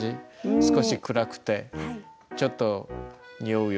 少し暗くてちょっとにおうような。